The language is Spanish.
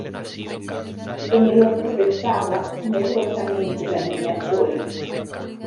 en el otro rezaba medrosamente la Niña Chole.